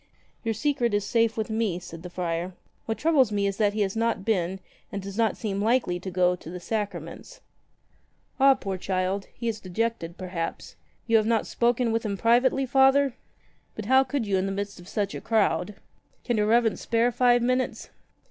"Your secret is safe with me," said the friar. "What troubles me is that he has not been, and does not seem likely to go, to the sacraments." "Ah, poor child! He is dejected, perhaps. You have not spoken with him privately, Father? But how could 40 you in the midst of such a crowd ! Can your Reverence spare five minutes?